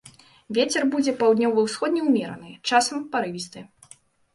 Вецер будзе паўднёва-ўсходні ўмераны, часам парывісты.